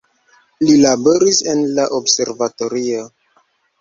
Li laboris en la observatorio.